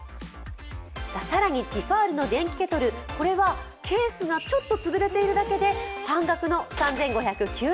更に、ティファールの電気ケトル、これはケースがちょっと潰れているだけで半額の３５９０円。